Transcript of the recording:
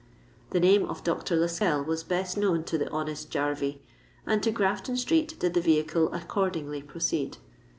The name of Dr. Lascelles was best known to the honest jarvey, and to Grafton Street did the vehicle accordingly proceed.